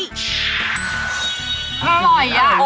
อร่อยอะ